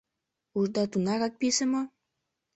Ушда тунарак писе мо?